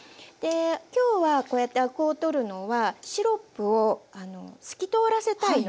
今日はこうやってアクを取るのはシロップを透き通らせたいので。